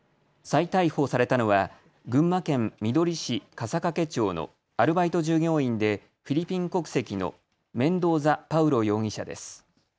再逮捕されたのは群馬県みどり市笠懸町のアルバイト従業員でフィリピン国籍のメンドーザ・パウロ容疑者です。